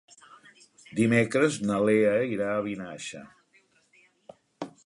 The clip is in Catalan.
Dimecres na Lea irà a Vinaixa.